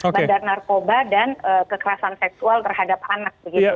bandar narkoba dan kekerasan seksual terhadap anak